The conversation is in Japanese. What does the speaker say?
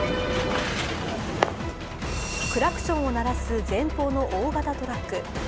クラクションを鳴らす前方の大型トラック。